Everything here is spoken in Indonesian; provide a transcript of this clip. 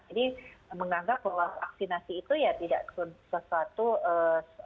jadi menganggap bahwa vaksinasi itu ya tidak sesuatu bagian untuk upaya pencerdahan daripada penyakit